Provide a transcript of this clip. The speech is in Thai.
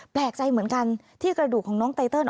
แปลกใจเหมือนกันที่กระดูกของน้องไตเติล